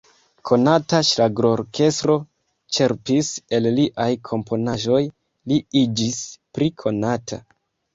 Konata ŝlagrorkestro ĉerpis el liaj komponaĵoj, li iĝis pli konata.